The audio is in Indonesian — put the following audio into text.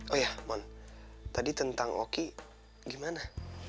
oh ya mon tadi tentang oki gimana